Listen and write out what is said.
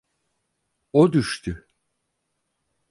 O düştü.